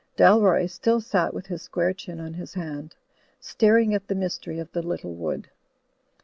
Dalroy still sat with his square chin on his hand, staring at the mystery of the little wood.